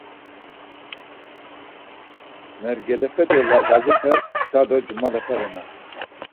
Mergelepe do Lazepe da do cumalepe renan.